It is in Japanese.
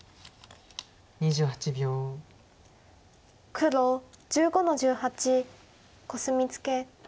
黒１５の十八コスミツケ。